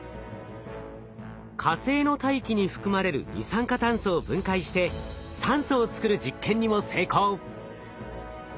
火星の大気に含まれる二酸化炭素を分解して酸素を作る実験にも成功。